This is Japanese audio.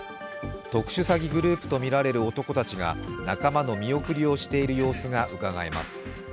特殊詐欺グループとみられる男たちが仲間の見送りをしている様子がうかがえます。